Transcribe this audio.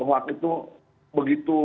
hoak itu begitu